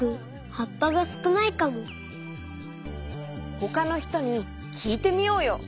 ほかのひとにきいてみようよ。